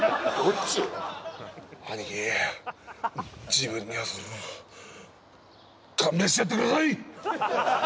自分にはその勘弁してやってください